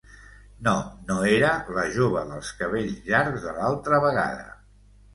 No, no era la jove dels cabells llargs de l'altra vegada.